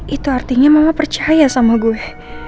itu artinya mama percaya sama gue